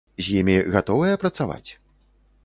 З імі гатовыя працаваць?